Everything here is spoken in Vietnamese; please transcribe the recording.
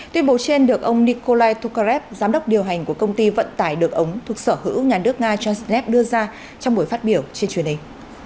tuyên bố trên được ông nikolai tukharev giám đốc điều hành của công ty vận tải được ống thuộc sở hữu nhà nước nga transnef đưa ra trong buổi phát biểu trên truyền hình